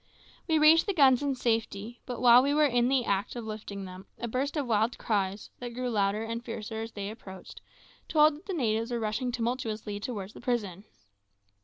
We reached the guns in safety; but while we were in the act of lifting them a burst of wild cries, that grew louder and fiercer as they approached, told that the natives were rushing tumultuously towards the prison.